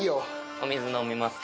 お水飲みますか？